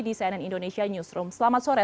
di cnn indonesia newsroom selamat sore